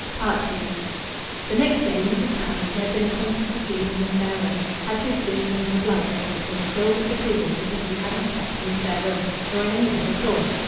II The next day Mrs. Tams, who had been appointed to sleep in the spare room, had to exist under the blight of Rachel's chill disapproval because she had not slept in the spare room nor in any bed at all.